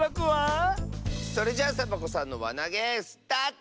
それじゃあサボ子さんのわなげスタート！